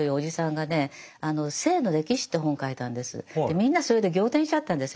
みんなそれで仰天しちゃったんですよ。